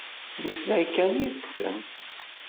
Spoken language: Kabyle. Mmeslay kan yid-sen.